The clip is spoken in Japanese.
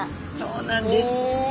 そうなんです。